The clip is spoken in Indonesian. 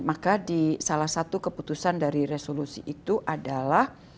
maka di salah satu keputusan dari resolusi itu adalah